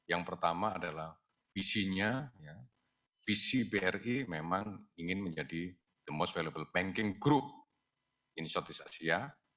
yang pertama adalah visinya visi bri memang ingin menjadi the most valuable banking group in southeast asia